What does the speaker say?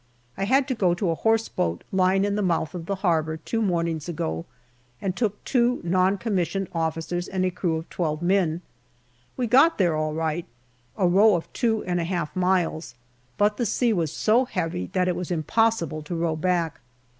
I had to go to a horse boat lying in the mouth of the harbour two mornings ago and took two non commissioned officers and a crew of twelve men. We got there all right, a row of two and a half miles, but the sea was so heavy that it was impossible to row back.